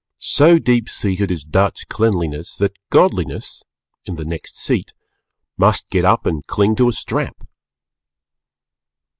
So deep seated is Dutch cleanliness that Godliness (in the next seat) must get up and cling to a strap.